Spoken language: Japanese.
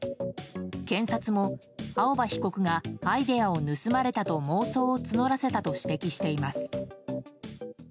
検察も青葉被告がアイデアを盗まれたと妄想を募らせたと指摘しています。